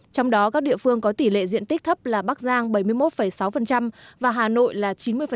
trong đó các địa phương có tỷ lệ diện tích thấp là bắc giang bảy mươi một sáu và hà nội là chín mươi